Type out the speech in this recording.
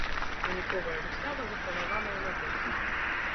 Выніковая выстава запланаваная на восень.